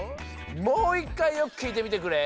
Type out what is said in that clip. もういっかいよくきいてみてくれ。